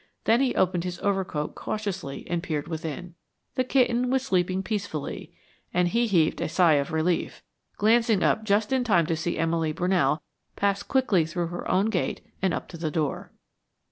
Then he opened his overcoat cautiously and peered within. The kitten was sleeping peacefully, and he heaved a sigh of relief, glancing up just in time to see Emily Brunell pass quickly through her own gate and up to the door.